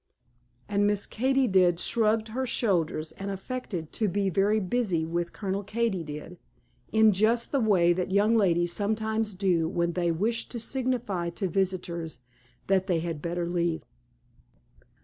And Miss Katy did shrugged her shoulders and affected to be very busy with Colonel Katy did, in just the way that young ladies sometimes do when they wish to signify to visitors that they had better leave.